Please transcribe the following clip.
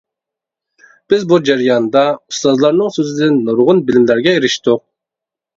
بىز بۇ جەرياندا ئۇستازلارنىڭ سۆزىدىن نۇرغۇن بىلىملەرگە ئېرىشتۇق.